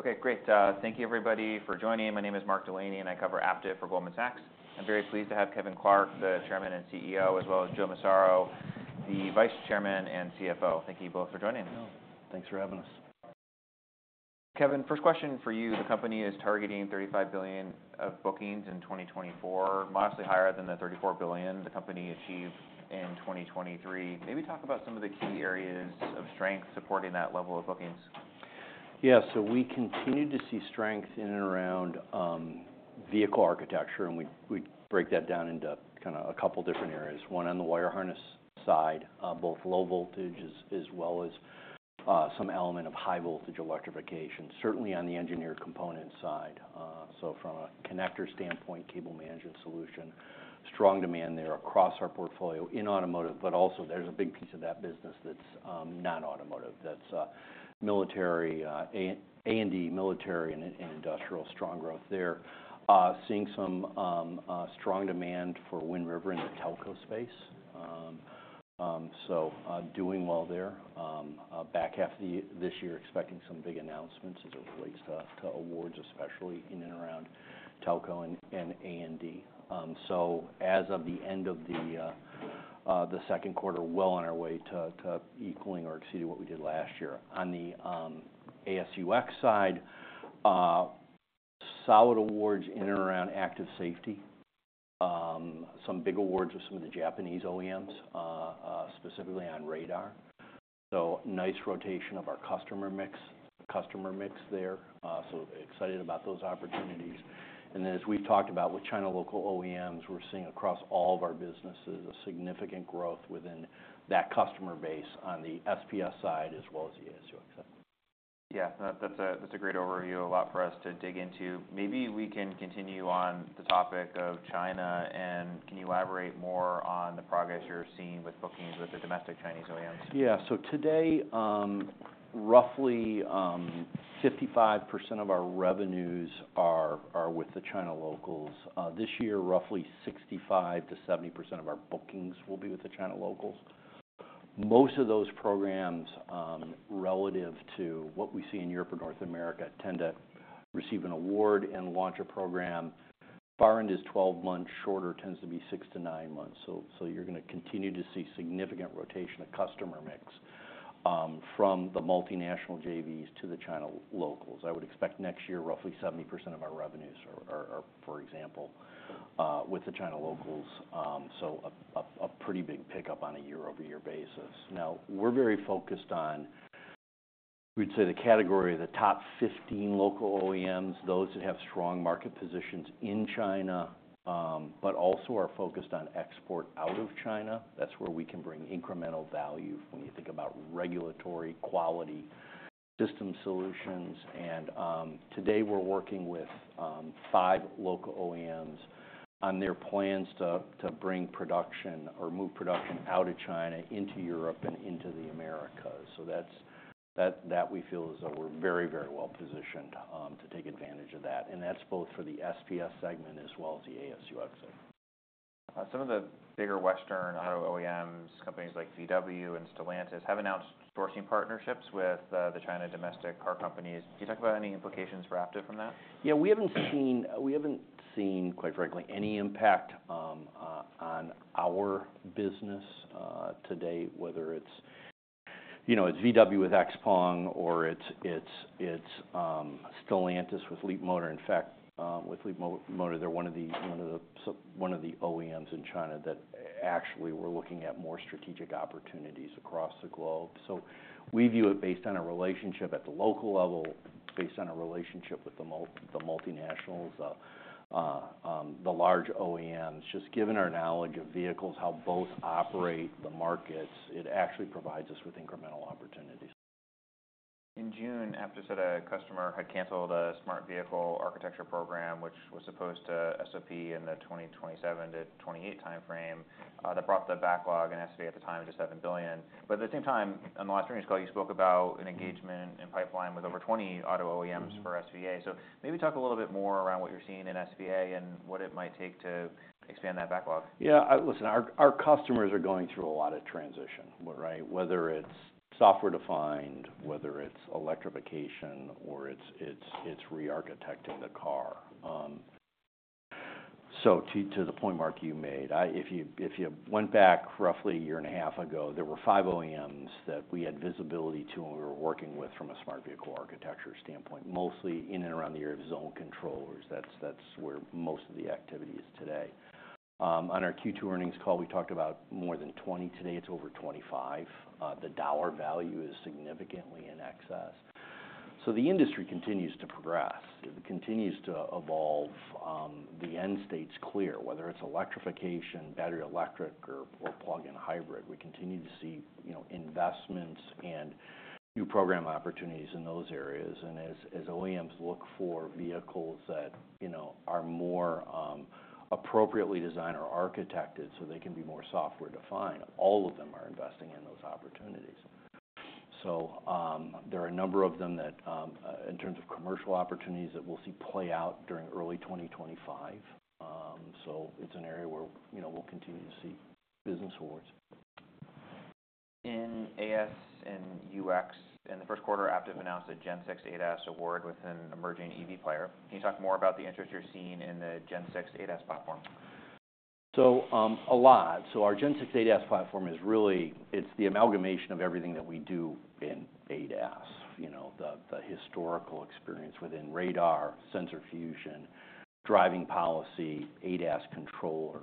Okay, great. Thank you, everybody, for joining. My name is Mark Delaney, and I cover Aptiv for Goldman Sachs. I'm very pleased to have Kevin Clark, the Chairman and CEO, as well as Joe Massaro, the Vice Chairman and CFO. Thank you both for joining us. Thanks for having us. Kevin, first question for you. The company is targeting $35 billion of bookings in 2024, modestly higher than the $34 billion the company achieved in 2023. Maybe talk about some of the key areas of strength supporting that level of bookings. Yeah. So we continue to see strength in and around Vehicle Architecture, and we break that down into kind of a couple different areas. One, on the wire harness side, both low voltage as well as some element of high voltage electrification, certainly on the engineered component side. So from a connector standpoint, cable management solution, strong demand there across our portfolio in automotive, but also there's a big piece of that business that's non-automotive, that's military, A&D, military and industrial, strong growth there. Seeing some strong demand for Wind River in the telco space. So doing well there. Back half of this year, expecting some big announcements as it relates to awards, especially in and around Telco and A&D. So as of the end of the second quarter, well on our way to equaling or exceeding what we did last year. On the AS&UX side, solid awards in and around active safety. Some big awards with some of the Japanese OEMs, specifically on radar. So nice rotation of our customer mix there, so excited about those opportunities. And then, as we've talked about with China local OEMs, we're seeing across all of our businesses, a significant growth within that customer base on the SPS side as well as the AS&UX side. Yeah, that's a great overview. A lot for us to dig into. Maybe we can continue on the topic of China, and can you elaborate more on the progress you're seeing with bookings with the domestic Chinese OEMs? Yeah. So today, roughly, 55% of our revenues are with the China locals. This year, roughly 65%-70% of our bookings will be with the China locals. Most of those programs, relative to what we see in Europe or North America, tend to receive an award and launch a program. Far end is 12 months, shorter tends to be six to nine months. So you're gonna continue to see significant rotation of customer mix, from the multinational JVs to the China locals. I would expect next year, roughly 70% of our revenues are, for example, with the China locals. So a pretty big pickup on a year-over-year basis. Now, we're very focused on, we'd say, the category of the top 15 local OEMs, those that have strong market positions in China, but also are focused on export out of China. That's where we can bring incremental value when you think about regulatory quality system solutions. Today, we're working with five local OEMs on their plans to bring production or move production out of China into Europe and into the Americas. So, we feel as though we're very, very well positioned to take advantage of that, and that's both for the SPS segment as well as the AS&UX. Some of the bigger Western auto OEMs, companies like VW and Stellantis, have announced sourcing partnerships with the China domestic car companies. Can you talk about any implications for Aptiv from that? Yeah, we haven't seen, quite frankly, any impact on our business to date, whether it's, you know, it's VW with XPeng, or it's Stellantis with Leapmotor. In fact, with Leapmotor, they're one of the OEMs in China that actually we're looking at more strategic opportunities across the globe. So we view it based on a relationship at the local level, based on a relationship with the multinationals, the large OEMs. Just given our knowledge of vehicles, how both operate the markets, it actually provides us with incremental opportunities. In June, Aptiv said a customer had canceled a Smart Vehicle Architecture program, which was supposed to SOP in the 2027-2028 timeframe. That brought the backlog in SVA at the time to $7 billion. But at the same time, on the last earnings call, you spoke about an engagement and pipeline with over 20 auto OEMs for SVA. So maybe talk a little bit more around what you're seeing in SVA and what it might take to expand that backlog. Yeah, listen, our customers are going through a lot of transition, right? Whether it's software-defined, whether it's electrification, or it's re-architecting the car. So to the point, Mark, you made, if you went back roughly a year and a half ago, there were five OEMs that we had visibility to and we were working with from a Smart Vehicle Architecture standpoint, mostly in and around the area of zone controllers. That's where most of the activity is today. On our Q2 earnings call, we talked about more than 20. Today, it's over 25. The dollar value is significantly in excess. So the industry continues to progress. It continues to evolve. The end state's clear, whether it's electrification, battery electric, or plug-in hybrid. We continue to see, you know, investments and new program opportunities in those areas. And as OEMs look for vehicles that, you know, are more appropriately designed or architected so they can be more software-defined, all of them are investing in those opportunities. So there are a number of them that, in terms of commercial opportunities, that we'll see play out during early 2025. So it's an area where, you know, we'll continue to see business awards.... In AS&UX, in the first quarter, Aptiv announced a Gen 6 ADAS award with an emerging EV player. Can you talk more about the interest you're seeing in the Gen 6 ADAS Platform? So, a lot. Our Gen 6 ADAS Platform is really, it's the amalgamation of everything that we do in ADAS. You know, the historical experience within radar, sensor fusion, driving policy, ADAS controller.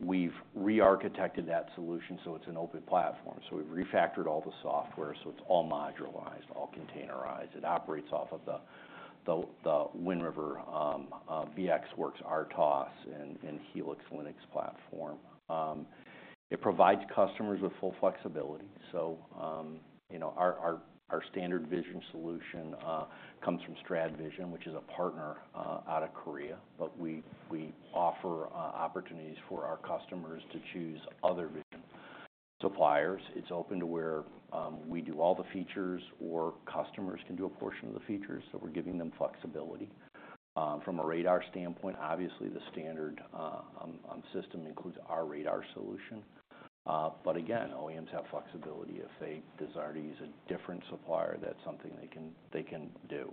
We've rearchitected that solution, so it's an open platform. We've refactored all the software, so it's all modularized, all containerized. It operates off of the Wind River VxWorks RTOS and Helix Linux platform. It provides customers with full flexibility. You know, our standard vision solution comes from StradVision, which is a partner out of Korea, but we offer opportunities for our customers to choose other vision suppliers. It's open to where we do all the features, or customers can do a portion of the features. So we're giving them flexibility. From a radar standpoint, obviously, the standard one system includes our radar solution. But again, OEMs have flexibility. If they desire to use a different supplier, that's something they can do.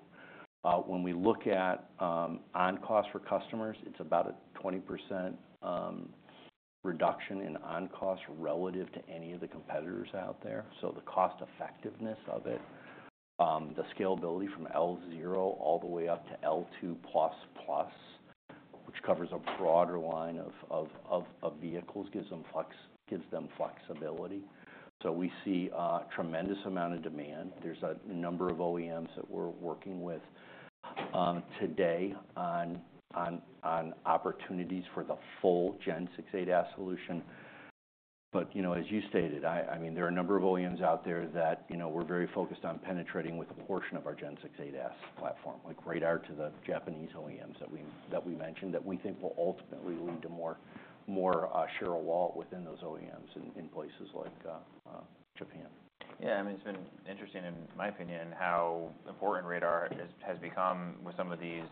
When we look at on-cost for customers, it's about a 20% reduction in on-cost relative to any of the competitors out there. So the cost effectiveness of it, the scalability from L0 all the way up to L2++, which covers a broader line of vehicles, gives them flexibility. So we see a tremendous amount of demand. There's a number of OEMs that we're working with today on opportunities for the full Gen 6 ADAS solution. But you know, as you stated, I mean, there are a number of OEMs out there that, you know, we're very focused on penetrating with a portion of our Gen 6 ADAS Platform, like radar to the Japanese OEMs that we mentioned, that we think will ultimately lead to more share of wallet within those OEMs in places like Japan. Yeah, I mean, it's been interesting, in my opinion, how important radar has become with some of these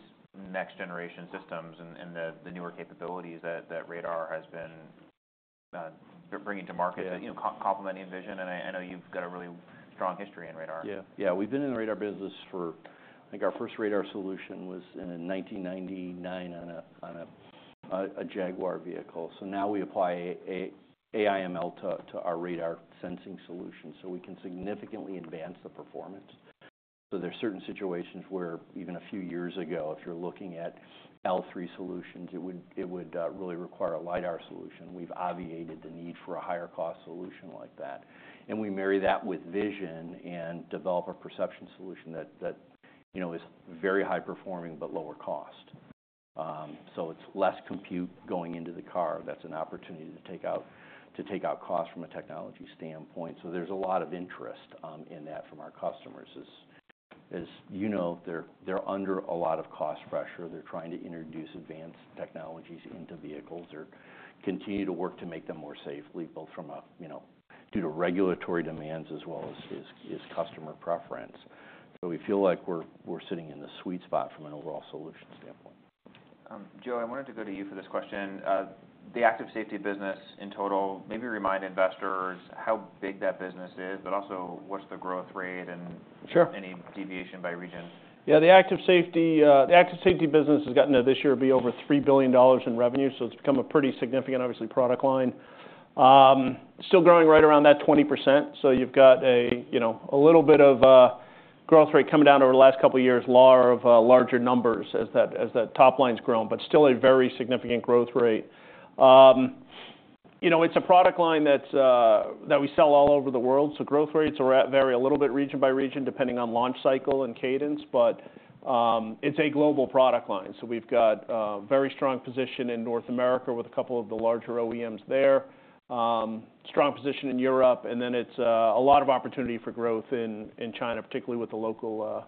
next-generation systems and the newer capabilities that radar has been bringing to market. Yeah... you know, complementing vision, and I know you've got a really strong history in radar. Yeah. Yeah, we've been in the radar business. I think our first radar solution was in 1999 on a Jaguar vehicle. So now we apply AI/ML to our radar sensing solution, so we can significantly advance the performance. So there are certain situations where, even a few years ago, if you're looking at L3 solutions, it would really require a LiDAR solution. We've obviated the need for a higher-cost solution like that. And we marry that with vision and develop a perception solution that you know is very high performing but lower cost. So it's less compute going into the car. That's an opportunity to take out costs from a technology standpoint. So there's a lot of interest in that from our customers. As you know, they're under a lot of cost pressure. They're trying to introduce advanced technologies into vehicles or continue to work to make them more safely, both from, you know, due to regulatory demands as well as customer preference. So we feel like we're sitting in the sweet spot from an overall solution standpoint. Joe, I wanted to go to you for this question. The Active Safety business in total, maybe remind investors how big that business is, but also, what's the growth rate and- Sure. - any deviation by region? Yeah, the Active Safety business has gotten to this year be over $3 billion in revenue, so it's become a pretty significant, obviously, product line. Still growing right around that 20%. So you've got a, you know, a little bit of a growth rate coming down over the last couple of years, of larger numbers as that, as that top line's grown, but still a very significant growth rate. You know, it's a product line that's that we sell all over the world, so growth rates vary a little bit region by region, depending on launch cycle and cadence, but it's a global product line. So we've got a very strong position in North America with a couple of the larger OEMs there, strong position in Europe, and then it's a lot of opportunity for growth in China, particularly with the local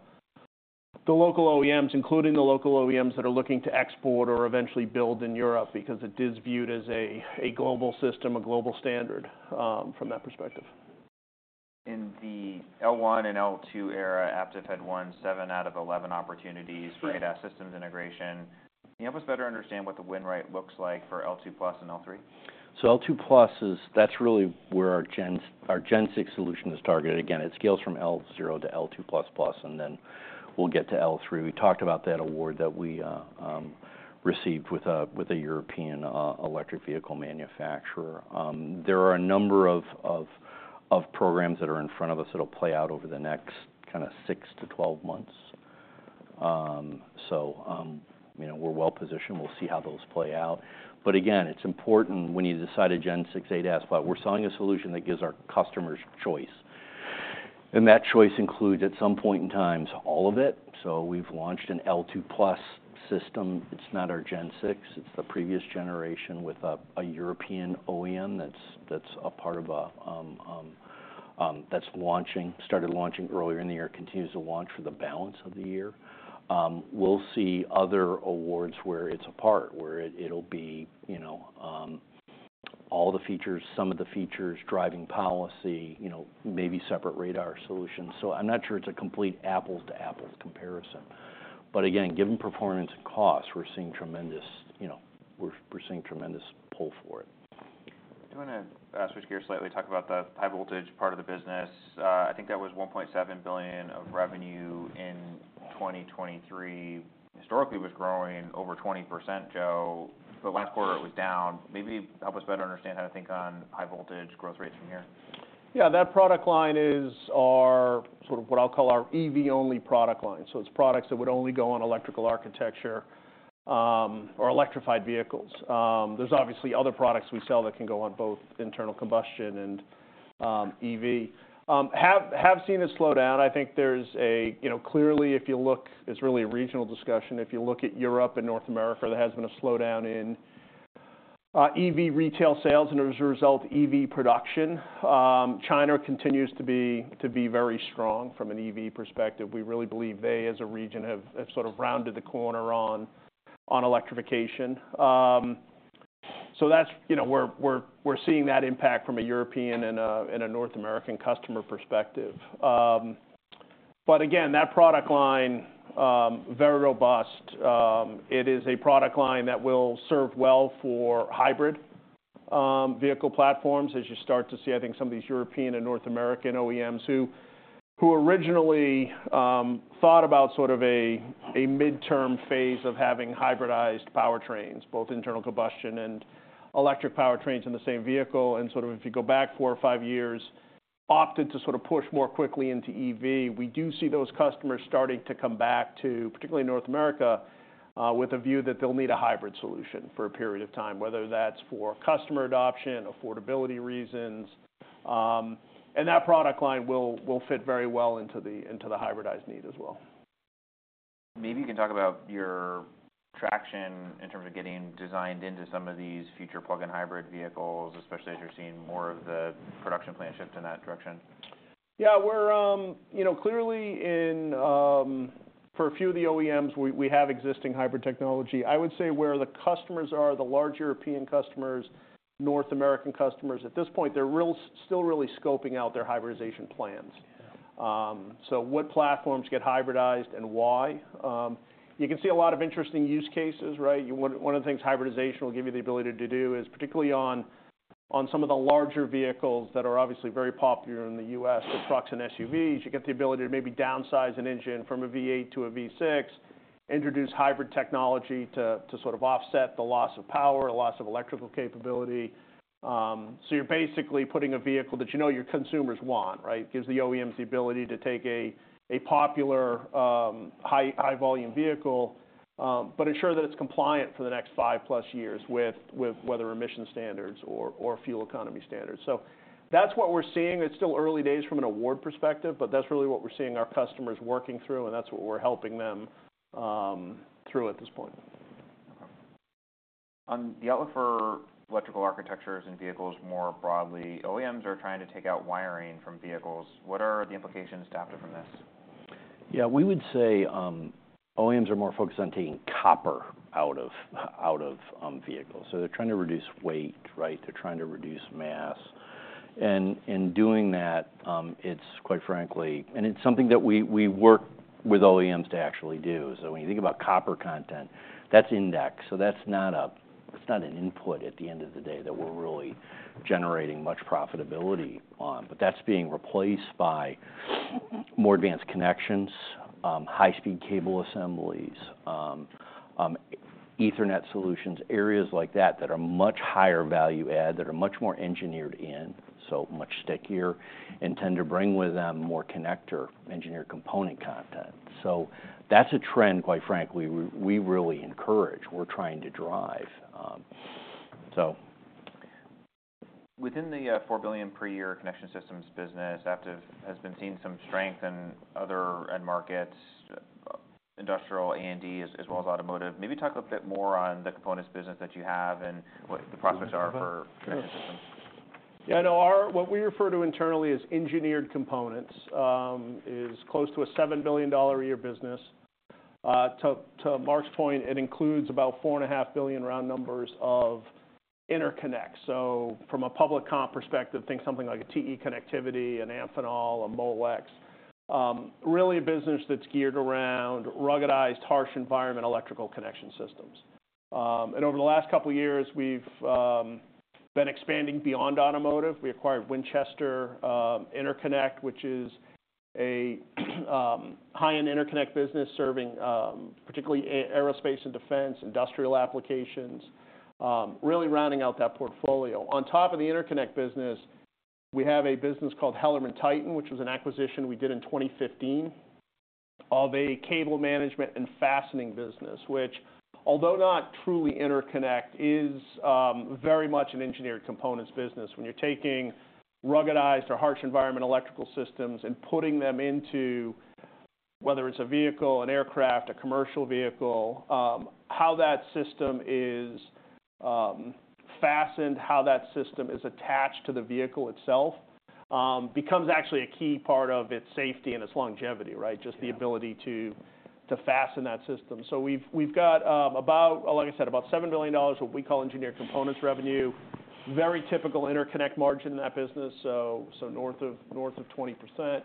OEMs, including the local OEMs that are looking to export or eventually build in Europe because it is viewed as a global system, a global standard, from that perspective. In the L1 and L2 era, Aptiv had won seven out of eleven opportunities. Sure... for ADAS systems integration. Can you help us better understand what the win rate looks like for L2+ and L3? L2+ is, that's really where our Gen 6 solution is targeted. Again, it scales from L0 to L2++, and then we'll get to L3. We talked about that award that we received with a European electric vehicle manufacturer. There are a number of programs that are in front of us that'll play out over the next kinda 6 to 12 months. You know, we're well-positioned. We'll see how those play out. Again, it's important when you decide a Gen 6 ADAS, but we're selling a solution that gives our customers choice. And that choice includes, at some point in time, all of it. So we've launched an L2+ system. It's not our Gen 6, it's the previous generation with a European OEM that's a part of a that's launching, started launching earlier in the year, continues to launch for the balance of the year. We'll see other awards where it's a part, where it, it'll be, you know, all the features, some of the features, driving policy, you know, maybe separate radar solutions. So I'm not sure it's a complete apples to apples comparison. But again, given performance and cost, we're seeing tremendous, you know, we're seeing tremendous pull for it. I want to switch gears slightly, talk about the high voltage part of the business. I think that was $1.7 billion of revenue in 2023. Historically, it was growing over 20%, Joe, but last quarter it was down. Maybe help us better understand how to think on high voltage growth rates from here. Yeah, that product line is our sort of what I'll call our EV-only product line. So it's products that would only go on electrical architecture, or electrified vehicles. There's obviously other products we sell that can go on both internal combustion and, EV. Have seen it slow down. I think there's, you know, clearly, if you look, it's really a regional discussion. If you look at Europe and North America, there has been a slowdown in, EV retail sales, and as a result, EV production. China continues to be very strong from an EV perspective. We really believe they, as a region, have sort of rounded the corner on electrification. So that's, you know, we're seeing that impact from a European and a North American customer perspective. But again, that product line, very robust. It is a product line that will serve well for hybrid vehicle platforms. As you start to see, I think, some of these European and North American OEMs, who originally thought about sort of a midterm phase of having hybridized powertrains, both internal combustion and electric powertrains in the same vehicle, and sort of, if you go back four or five years, opted to sort of push more quickly into EV. We do see those customers starting to come back to, particularly North America, with a view that they'll need a hybrid solution for a period of time, whether that's for customer adoption, affordability reasons. And that product line will fit very well into the hybridized need as well. Maybe you can talk about your traction in terms of getting designed into some of these future plug-in hybrid vehicles, especially as you're seeing more of the production plan shift in that direction? Yeah, we're, you know, clearly in for a few of the OEMs, we have existing hybrid technology. I would say where the customers are, the large European customers, North American customers, at this point, they're really still scoping out their hybridization plans. So what platforms get hybridized and why? You can see a lot of interesting use cases, right? One of the things hybridization will give you the ability to do is, particularly on some of the larger vehicles that are obviously very popular in the U.S., the trucks and SUVs, you get the ability to maybe downsize an engine from a V8 to a V6, introduce hybrid technology to sort of offset the loss of power, the loss of electrical capability. So you're basically putting a vehicle that you know your consumers want, right? Gives the OEMs the ability to take a popular high-volume vehicle, but ensure that it's compliant for the next 5+ years with whether emission standards or fuel economy standards. So that's what we're seeing. It's still early days from an award perspective, but that's really what we're seeing our customers working through, and that's what we're helping them through at this point. Okay. On the outlook for electrical architectures and vehicles more broadly, OEMs are trying to take out wiring from vehicles. What are the implications to Aptiv from this? Yeah, we would say, OEMs are more focused on taking copper out of vehicles. So they're trying to reduce weight, right? They're trying to reduce mass. And in doing that, it's quite frankly, and it's something that we work with OEMs to actually do. So when you think about copper content, that's index. So that's not an input at the end of the day that we're really generating much profitability on. But that's being replaced by more advanced connections, high-speed cable assemblies, Ethernet solutions, areas like that, that are much higher value add, that are much more engineered in, so much stickier, and tend to bring with them more connector, engineered component content. So that's a trend, quite frankly, we really encourage, we're trying to drive, so... Within the $4 billion per year connection systems business, Aptiv has been seeing some strength in other end markets, industrial, A&D, as well as automotive. Maybe talk a bit more on the components business that you have and what the prospects are for connection systems. Yeah, I know. Our, what we refer to internally as engineered components, is close to a $7 billion a year business. To Mark's point, it includes about $4.5 billion round numbers of interconnect. So from a public comp perspective, think something like a TE Connectivity, an Amphenol, a Molex. Really a business that's geared around ruggedized, harsh environment, electrical connection systems. And over the last couple of years, we've been expanding beyond automotive. We acquired Winchester Interconnect, which is a high-end interconnect business serving particularly aerospace and defense, industrial applications, really rounding out that portfolio. On top of the interconnect business, we have a business called HellermannTyton, which was an acquisition we did in 2015, of a cable management and fastening business, which, although not truly interconnect, is, very much an engineered components business. When you're taking ruggedized or harsh environment electrical systems and putting them into whether it's a vehicle, an aircraft, a commercial vehicle, how that system is fastened, how that system is attached to the vehicle itself, becomes actually a key part of its safety and its longevity, right? Yeah. Just the ability to, to fasten that system. So we've got, like I said, about $7 billion, what we call engineered components revenue. Very typical interconnect margin in that business, so north of 20%.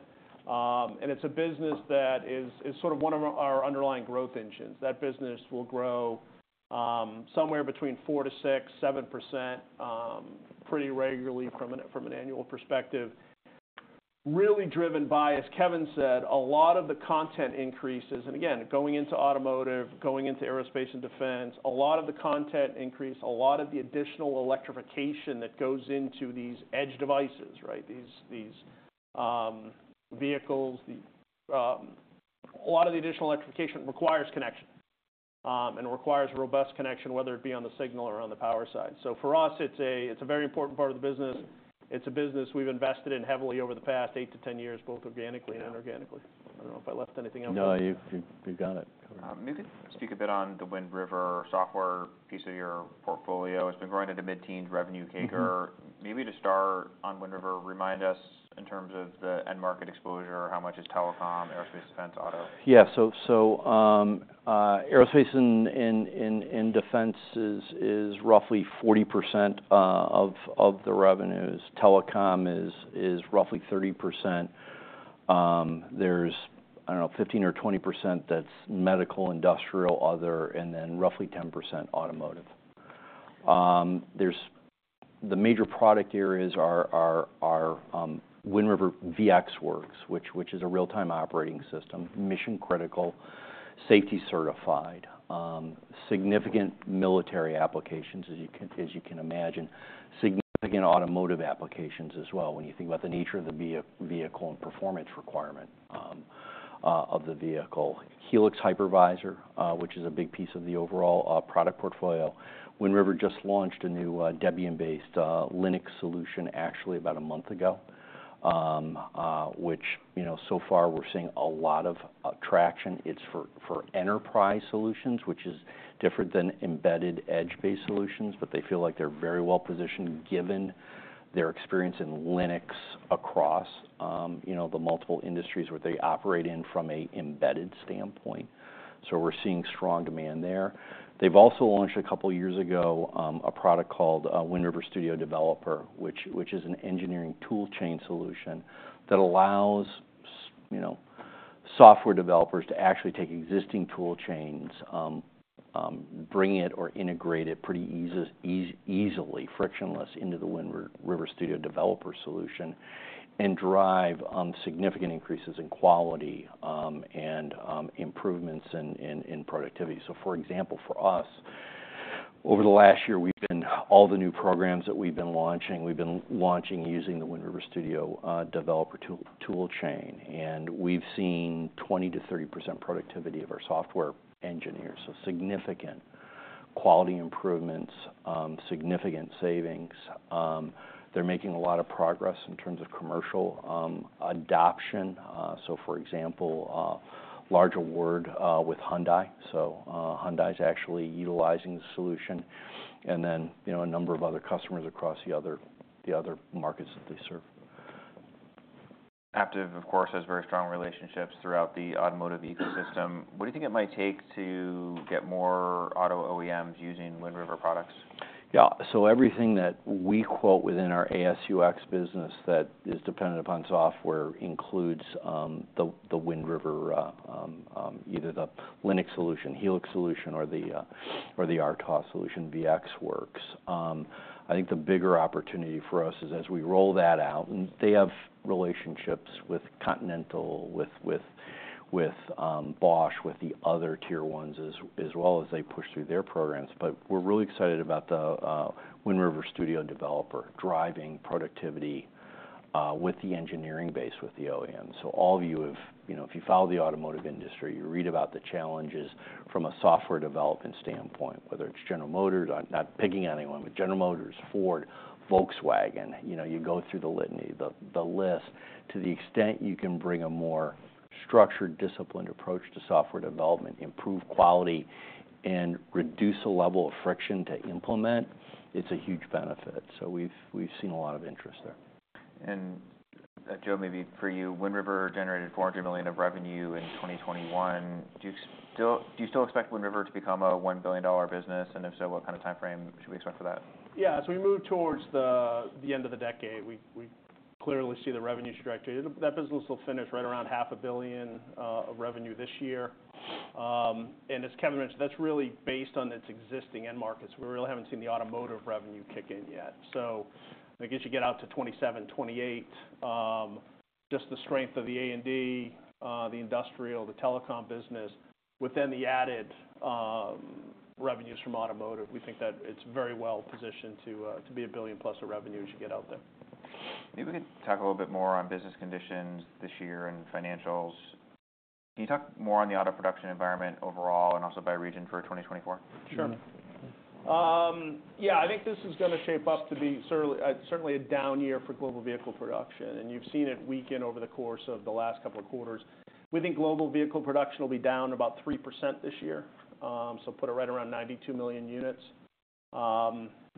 And it's a business that is sort of one of our underlying growth engines. That business will grow somewhere between 4%-7% pretty regularly from an annual perspective. Really driven by, as Kevin said, a lot of the content increases. And again, going into automotive, going into aerospace and defense, a lot of the content increase, a lot of the additional electrification that goes into these edge devices, right? These vehicles, a lot of the additional electrification requires connection and requires robust connection, whether it be on the signal or on the power side. So for us, it's a very important part of the business. It's a business we've invested in heavily over the past eight to ten years, both organically and inorganically. I don't know if I left anything out. No, you've got it. Maybe speak a bit on the Wind River software piece of your portfolio. It's been growing at a mid-teen revenue CAGR. Mm-hmm. Maybe to start on Wind River, remind us in terms of the end market exposure, how much is telecom, aerospace, defense, auto? Yeah. So aerospace and defense is roughly 40% of the revenues. Telecom is roughly 30%. There's, I don't know, 15 or 20% that's medical, industrial, other, and then roughly 10% automotive. The major product areas are Wind River VxWorks, which is a real-time operating system, mission-critical, safety certified, significant military applications, as you can imagine. Significant automotive applications as well, when you think about the nature of the vehicle and performance requirement of the vehicle. Helix Hypervisor, which is a big piece of the overall product portfolio. Wind River just launched a new Debian-based Linux solution actually about a month ago. Which, you know, so far we're seeing a lot of traction. It's for enterprise solutions, which is different than embedded edge-based solutions, but they feel like they're very well positioned, given their experience in Linux across you know the multiple industries where they operate in from an embedded standpoint. So we're seeing strong demand there. They've also launched a couple of years ago a product called Wind River Studio Developer, which is an engineering tool chain solution that allows you know software developers to actually take existing tool chains bring it or integrate it pretty easily frictionless into the Wind River Studio Developer solution, and drive significant increases in quality and improvements in productivity. So for example, for us, over the last year, we've been launching all the new programs using the Wind River Studio Developer tool chain, and we've seen 20%-30% productivity of our software engineers. There are significant quality improvements, significant savings. They're making a lot of progress in terms of commercial adoption. For example, large award with Hyundai. Hyundai is actually utilizing the solution and then, you know, a number of other customers across the other markets that they serve. Aptiv, of course, has very strong relationships throughout the automotive ecosystem. What do you think it might take to get more auto OEMs using Wind River products? Yeah. So everything that we quote within our AS&UX business that is dependent upon software includes the Wind River either the Linux solution, Helix solution, or the RTOS solution, VxWorks. I think the bigger opportunity for us is as we roll that out, and they have relationships with Continental, with Bosch, with the other tier ones as well as they push through their programs. But we're really excited about the Wind River Studio Developer, driving productivity with the engineering base, with the OEM. So all of you have, you know, if you follow the automotive industry, you read about the challenges from a software development standpoint, whether it's General Motors, I'm not picking on anyone, but General Motors, Ford, Volkswagen, you know, you go through the litany, the list. To the extent you can bring a more structured, disciplined approach to software development, improve quality, and reduce the level of friction to implement, it's a huge benefit. So we've seen a lot of interest there. Joe, maybe for you, Wind River generated $400 million of revenue in 2021. Do you still expect Wind River to become a $1 billion business? If so, what kind of timeframe should we expect for that? Yeah. As we move towards the end of the decade, we clearly see the revenue trajectory. That business will finish right around $500 million of revenue this year, and as Kevin mentioned, that's really based on its existing end markets. We really haven't seen the automotive revenue kick in yet, so I guess you get out to 2027, 2028, just the strength of the A&D, the industrial, the telecom business. Within the added revenues from automotive, we think that it's very well positioned to be $1 billion+ of revenue as you get out there. Maybe we could talk a little bit more on business conditions this year and financials. Can you talk more on the auto production environment overall and also by region for 2024? Sure. Yeah, I think this is gonna shape up to be certainly a down year for global vehicle production, and you've seen it weaken over the course of the last couple of quarters. We think global vehicle production will be down about 3% this year, so put it right around 92 million units.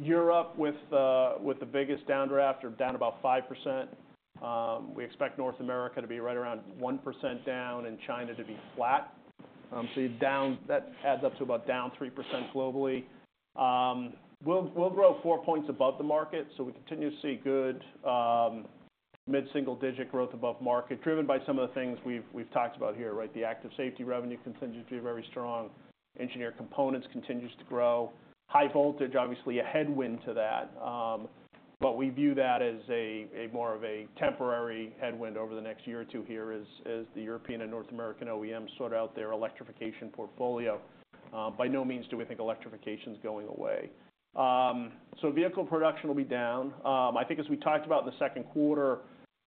Europe, with the biggest downdraft, are down about 5%. We expect North America to be right around 1% down, and China to be flat. So you're down, that adds up to about down 3% globally. We'll grow four points above the market, so we continue to see good mid-single digit growth above market, driven by some of the things we've talked about here, right? The active safety revenue contribution, very strong. Engineered components continues to grow. High voltage, obviously a headwind to that, but we view that as a more of a temporary headwind over the next year or two here, as the European and North American OEMs sort out their electrification portfolio. By no means do we think electrification is going away, so vehicle production will be down. I think as we talked about in the second quarter,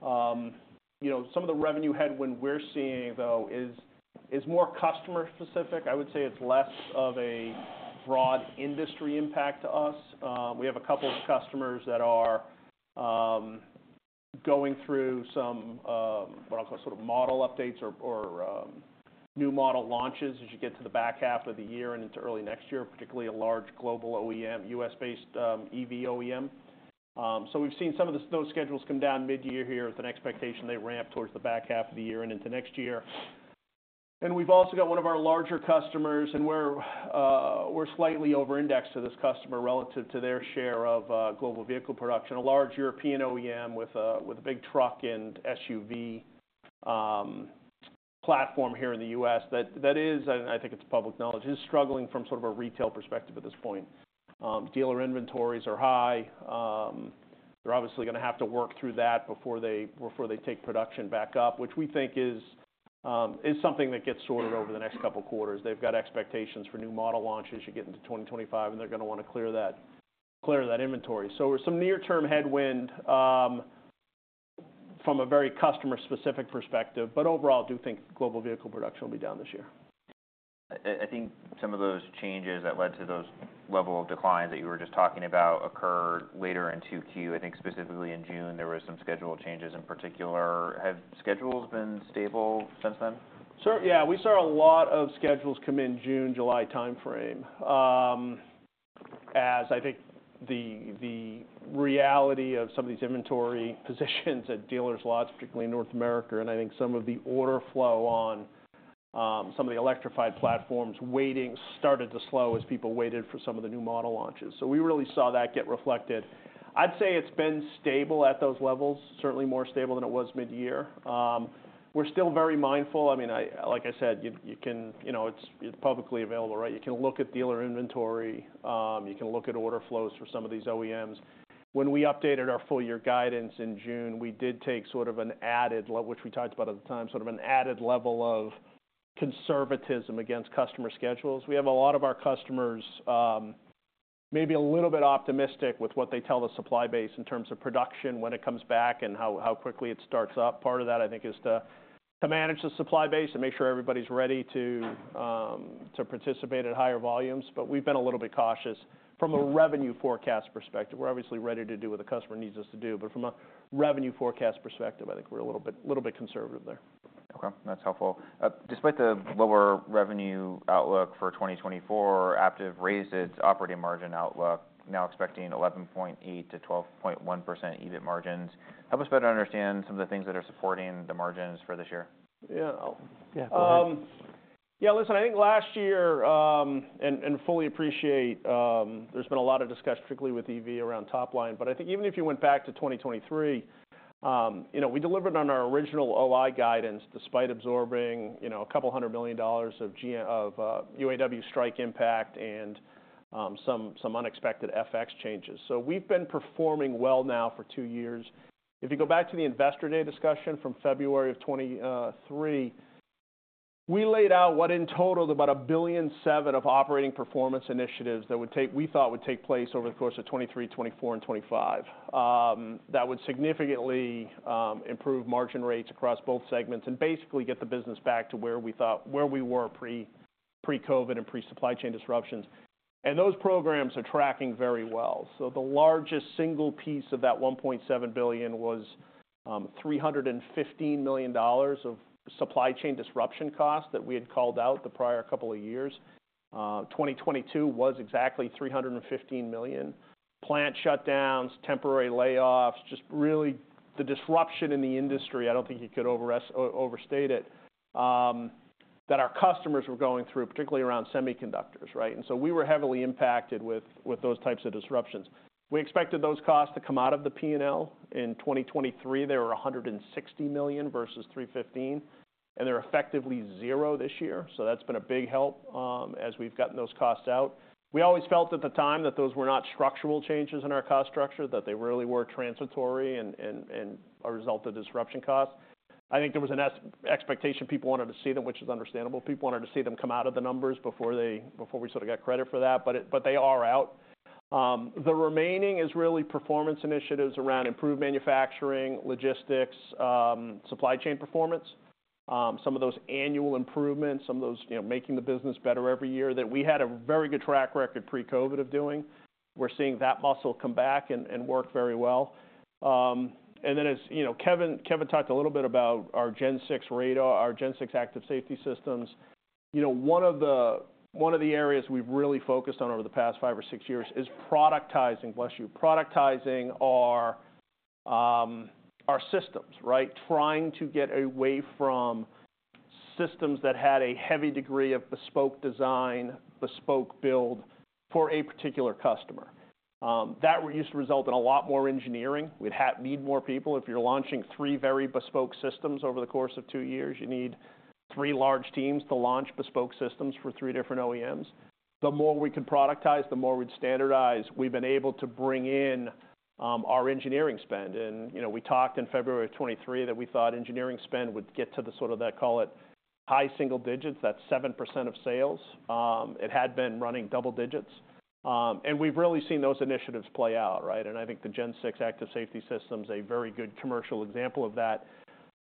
you know, some of the revenue headwind we're seeing, though, is more customer specific. I would say it's less of a broad industry impact to us. We have a couple of customers that are going through some what I'll call sort of model updates or new model launches as you get to the back half of the year and into early next year, particularly a large global OEM, U.S.-based, EV OEM. So we've seen some of those schedules come down mid-year here with an expectation they ramp towards the back half of the year and into next year. And we've also got one of our larger customers, and we're slightly over-indexed to this customer relative to their share of global vehicle production. A large European OEM with a big truck and SUV platform here in the U.S. That is, and I think it's public knowledge, is struggling from sort of a retail perspective at this point. Dealer inventories are high. They're obviously gonna have to work through that before they take production back up, which we think is something that gets sorted over the next couple quarters. They've got expectations for new model launches as you get into 2025, and they're gonna wanna clear that, clear that inventory, so some near-term headwind from a very customer-specific perspective, but overall, I do think global vehicle production will be down this year. I think some of those changes that led to those level of declines that you were just talking about occurred later in 2Q. I think specifically in June, there were some schedule changes in particular. Have schedules been stable since then? So, yeah, we saw a lot of schedules come in June, July timeframe. As I think the reality of some of these inventory positions at dealers' lots, particularly in North America, and I think some of the order flow on some of the electrified platforms waiting started to slow as people waited for some of the new model launches. So we really saw that get reflected. I'd say it's been stable at those levels, certainly more stable than it was mid-year. We're still very mindful. I mean, like I said, you can... You know, it's publicly available, right? You can look at dealer inventory, you can look at order flows for some of these OEMs. When we updated our full-year guidance in June, we did take sort of an added level, which we talked about at the time, sort of an added level of conservatism against customer schedules. We have a lot of our customers, maybe a little bit optimistic with what they tell the supply base in terms of production, when it comes back and how quickly it starts up. Part of that, I think, is to manage the supply base and make sure everybody's ready to participate at higher volumes. But we've been a little bit cautious from a revenue forecast perspective. We're obviously ready to do what the customer needs us to do, but from a revenue forecast perspective, I think we're a little bit conservative there. Okay, that's helpful. Despite the lower revenue outlook for 2024, Aptiv raised its operating margin outlook, now expecting 11.8%-12.1% EBIT margins. Help us better understand some of the things that are supporting the margins for this year? Yeah. I'll- Yeah, go ahead. Yeah, listen, I think last year and fully appreciate there's been a lot of discussion, particularly with EV around top line. But I think even if you went back to 2023, you know, we delivered on our original OI guidance despite absorbing, you know, $200 million of UAW strike impact and some unexpected FX changes. So we've been performing well now for two years. If you go back to the Investor Day discussion from February of 2023, we laid out what in total, about $1.7 billion of operating performance initiatives that we thought would take place over the course of 2023, 2024 and 2025. That would significantly improve margin rates across both segments and basically get the business back to where we thought we were pre-COVID and pre-supply chain disruptions, and those programs are tracking very well, so the largest single piece of that $1.7 billion was $315 million of supply chain disruption costs that we had called out the prior couple of years. 2022 was exactly $315 million. Plant shutdowns, temporary layoffs, just really the disruption in the industry, I don't think you could overstate it, that our customers were going through, particularly around semiconductors, right? And so we were heavily impacted with those types of disruptions. We expected those costs to come out of the P&L. In 2023, they were $160 million versus $315 million, and they're effectively zero this year. So that's been a big help, as we've gotten those costs out. We always felt at the time that those were not structural changes in our cost structure, that they really were transitory and a result of disruption costs. I think there was an expectation. People wanted to see them, which is understandable. People wanted to see them come out of the numbers before we sort of got credit for that, but they are out. The remaining is really performance initiatives around improved manufacturing, logistics, supply chain performance, some of those annual improvements, some of those, you know, making the business better every year, that we had a very good track record pre-COVID of doing. We're seeing that muscle come back and work very well. And then as you know, Kevin talked a little bit about our Gen 6 radar, our Gen 6 active safety systems. You know, one of the areas we've really focused on over the past five or six years is productizing. Bless you. Productizing our systems, right? Trying to get away from systems that had a heavy degree of bespoke design, bespoke build for a particular customer. That used to result in a lot more engineering. We'd need more people. If you're launching three very bespoke systems over the course of two years, you need three large teams to launch bespoke systems for three different OEMs. The more we can productize, the more we'd standardize, we've been able to bring in our engineering spend. You know, we talked in February of 2023 that we thought engineering spend would get to the sort of, let's call it, high single digits. That's 7% of sales. It had been running double digits. And we've really seen those initiatives play out, right? And I think the Gen 6 active safety system is a very good commercial example of that,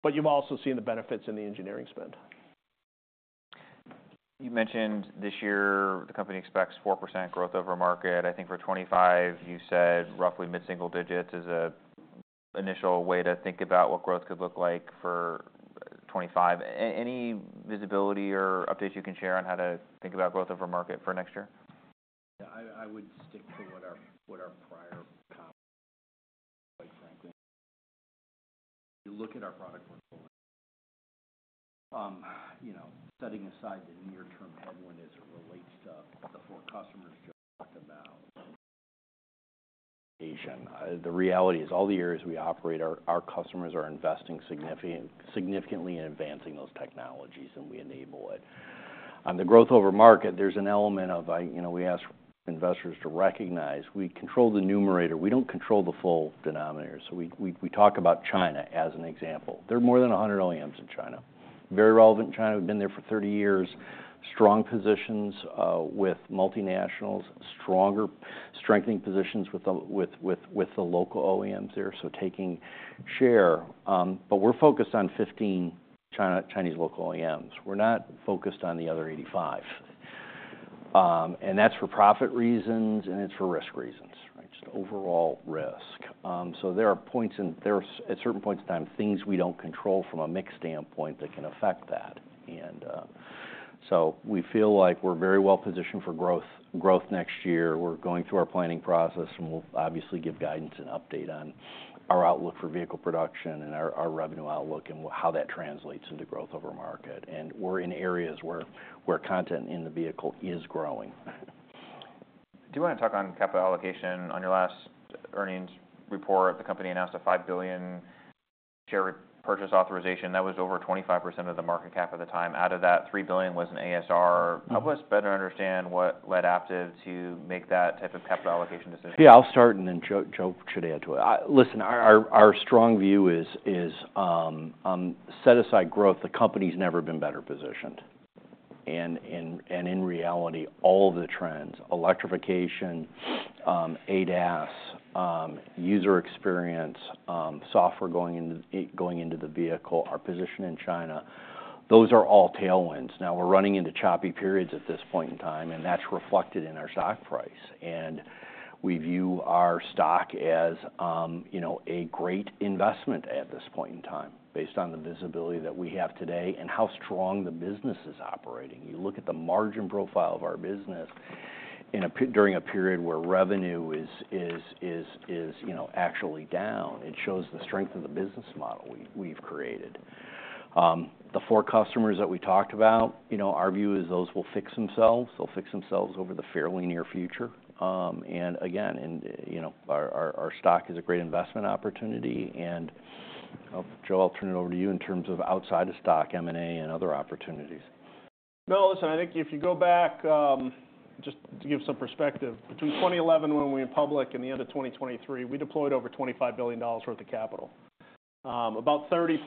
but you've also seen the benefits in the engineering spend. You mentioned this year, the company expects 4% growth over market. I think for 2025, you said roughly mid-single digits is an initial way to think about what growth could look like for 2025. Any visibility or updates you can share on how to think about growth over market for next year? Yeah, I would stick to what our prior comment, quite frankly. You look at our product portfolio. You know, setting aside the near-term headwind as it relates to the four customers Joe talked about. The reality is, all the areas we operate, our customers are investing significantly in advancing those technologies, and we enable it. On the growth over market, there's an element of you know, we ask investors to recognize, we control the numerator. We don't control the full denominator. So we talk about China as an example. There are more than a hundred OEMs in China. Very relevant in China, we've been there for thirty years. Strong positions with multinationals, strengthening positions with the local OEMs there, so taking share. But we're focused on 15 Chinese local OEMs. We're not focused on the other eighty-five. And that's for profit reasons, and it's for risk reasons, right? Just overall risk. So there are, at certain points in time, things we don't control from a mix standpoint that can affect that. And so we feel like we're very well positioned for growth next year. We're going through our planning process, and we'll obviously give guidance and update on our outlook for vehicle production and our revenue outlook, and how that translates into growth over market. And we're in areas where content in the vehicle is growing. Do you want to talk on capital allocation? On your last earnings report, the company announced a five billion share repurchase authorization. That was over 25% of the market cap at the time. Out of that, three billion was an ASR. Help us better understand what led Aptiv to make that type of capital allocation decision? Yeah, I'll start, and then Joe should add to it. Listen, our strong view is set aside growth, the company's never been better positioned. And in reality, all the trends, electrification, ADAS, user experience, software going into the vehicle, our position in China, those are all tailwinds. Now, we're running into choppy periods at this point in time, and that's reflected in our stock price. And we view our stock as, you know, a great investment at this point in time, based on the visibility that we have today and how strong the business is operating. You look at the margin profile of our business during a period where revenue is, you know, actually down, it shows the strength of the business model we've created. The four customers that we talked about, you know, our view is those will fix themselves. They'll fix themselves over the fairly near future. And again, you know, our stock is a great investment opportunity, and Joe, I'll turn it over to you in terms of outside of stock, M&A, and other opportunities. No, listen. I think if you go back, just to give some perspective, between 2011, when we went public, and the end of 2023, we deployed over $25 billion worth of capital. About 30+%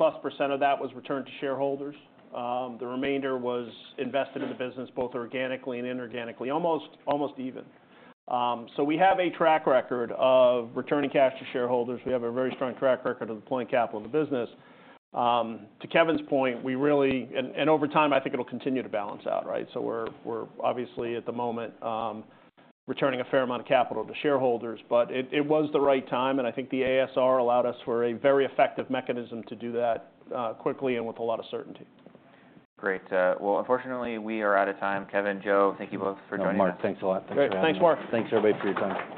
of that was returned to shareholders. The remainder was invested in the business, both organically and inorganically, almost even. So we have a track record of returning cash to shareholders. We have a very strong track record of deploying capital in the business. To Kevin's point, we really, and over time, I think it'll continue to balance out, right? So we're obviously, at the moment, returning a fair amount of capital to shareholders, but it was the right time, and I think the ASR allowed us for a very effective mechanism to do that, quickly and with a lot of certainty. Great. Well, unfortunately, we are out of time. Kevin, Joe, thank you both for joining us. Oh, Mark, thanks a lot. Thanks for having me. Great. Thanks, Mark. Thanks, everybody, for your time.